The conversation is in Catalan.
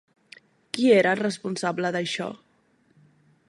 Qui era el responsable d'això?